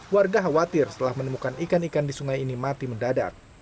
warga khawatir setelah menemukan ikan ikan di sungai ini mati mendadak